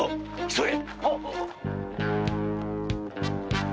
急げ！